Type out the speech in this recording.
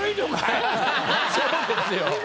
そうですよ。